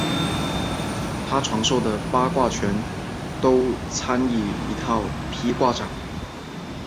他传授的八极拳都参以一套劈挂掌。